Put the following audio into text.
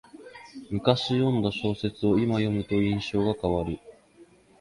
むかし読んだ小説をいま読むと印象が変わる